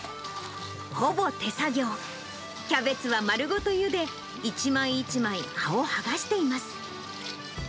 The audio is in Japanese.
ほぼ手作業、キャベツは丸ごとゆで、一枚一枚葉を剥がしています。